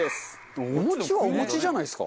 お餅はお餅じゃないですか？